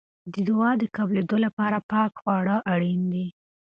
د دعا د قبلېدو لپاره پاکه خواړه اړین دي.